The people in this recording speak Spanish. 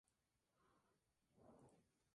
Es originaria de Tasmania en Australia.